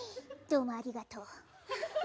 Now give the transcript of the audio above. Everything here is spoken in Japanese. どうもありがとう！